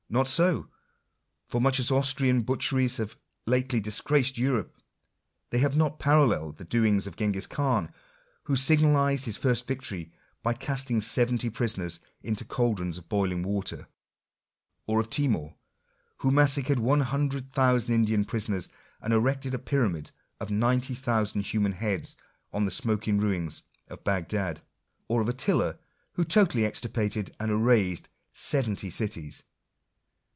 Not so: for much as Austrian butcheries have lately disgraoed Europe, they have not paralleled the doings of Oengis Khan, who signalized his first victory by casting seventy prisoners into cauldrons of boiling water; or of Timour, who massacred 100,000 Indian prisoners, and erected a pyramid of 90,000 human heads on the smoking ruins of Bagdad ; or of Attila, who totally extirpated and erased seventy cities.